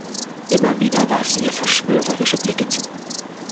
Immer wieder warf sie ihr verschwörerische Blicke zu.